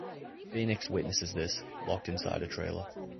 Fenix witnesses this, locked inside a trailer.